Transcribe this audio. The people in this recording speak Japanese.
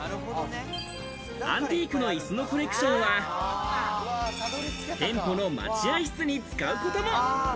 アンティークのいすのコレクションは店舗の待合室に使うことも。